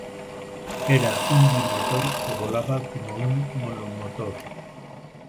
Era un bimotor que volaba como un monomotor.